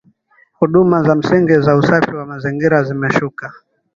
Huduma za msingi za usafi wa mazingira zimeshuka